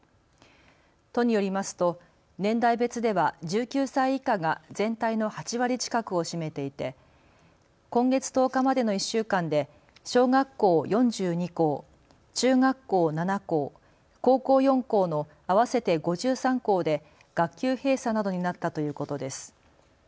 都によりますと年代別では１９歳以下が全体の８割近くを占めていて今月１０日までの１週間で小学校４２校、中学校７校、高校４校の合わせて５３校で学級閉鎖などになったということです。